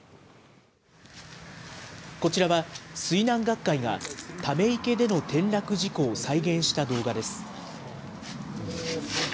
こちらは、水難学会がため池での転落事故を再現した動画です。